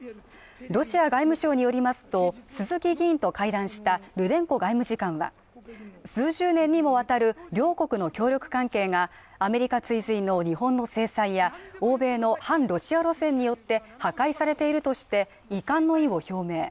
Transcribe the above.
ロシア外務省によりますと、鈴木議員と会談したルデンコ外務次官は数十年にもわたる両国の協力関係がアメリカ追随日本の制裁や欧米の反ロシア路線によって破壊されているとして遺憾の意を表明。